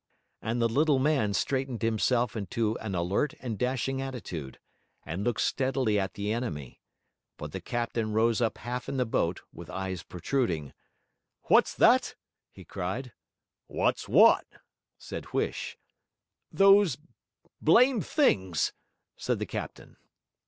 And the little man straightened himself into an alert and dashing attitude, and looked steadily at the enemy. But the captain rose half up in the boat with eyes protruding. 'What's that?' he cried. 'Wot's wot?' said Huish. 'Those blamed things,' said the captain.